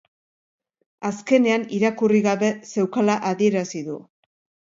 Azkenean irakurri gabe zeukala adierazi du